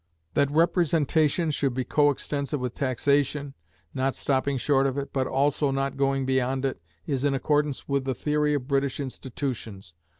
That representation should be coextensive with taxation, not stopping short of it, but also not going beyond it, is in accordance with the theory of British institutions.